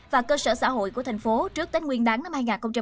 và cơ sở xã hội của tp hcm trước tết nguyên đáng năm hai nghìn hai mươi